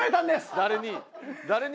誰に？